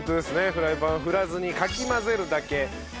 フライパン振らずにかき混ぜるだけ。